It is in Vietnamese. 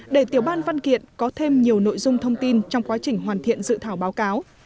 để tiểu ban văn kiện có thêm nhiều nội dung thông tin trong quá trình hoàn thiện dự thảo báo cáo